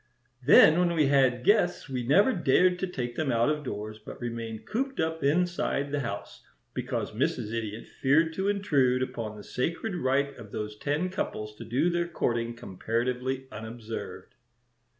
Then when we had guests we never dared to take them out of doors, but remained cooped up inside the house, because Mrs. Idiot feared to intrude upon the sacred right of those ten couples to do their courting comparatively unobserved."